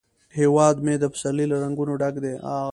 هیواد مې د پسرلي له رنګونو ډک دی